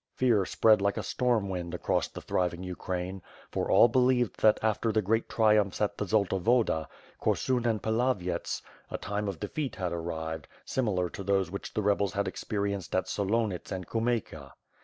Fear spread like a storm wind across the thriving Ukraine, for all believed that after the great triumphs at the Zolta Woda, Korsun and Pilavyets, a time of defeat had arrived, similar to those which the rebels had experienced at Solonits and Kumeyka.